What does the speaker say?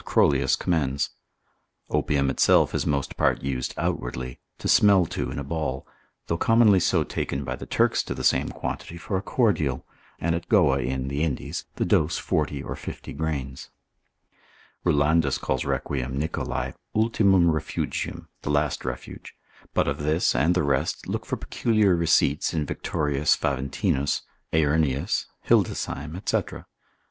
Crollius commends. Opium itself is most part used outwardly, to smell to in a ball, though commonly so taken by the Turks to the same quantity for a cordial, and at Goa in, the Indies; the dose 40 or 50 grains. Rulandus calls Requiem Nicholai ultimum refugium, the last refuge; but of this and the rest look for peculiar receipts in Victorius Faventinus, cap. de phrensi. Heurnius cap. de mania. Hildesheim spicel. 4. de somno et vigil.